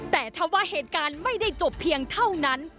แต่ถ้าว่าเหตุการณ์ไม่ได้จบเพียงเท่านั้น